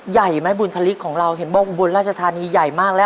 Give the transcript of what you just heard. ใหญ่ไหมบุญธลิกของเราเห็นบอกอุบลราชธานีใหญ่มากแล้ว